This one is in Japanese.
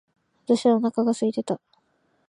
私はお腹が空いていた。